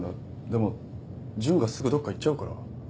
でも純がすぐどっか行っちゃうから。